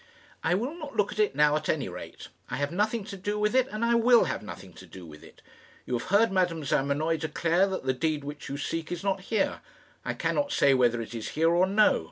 "I will not look at it now at any rate. I have nothing to do with it, and I will have nothing to do with it. You have heard Madame Zamenoy declare that the deed which you seek is not here. I cannot say whether it is here or no.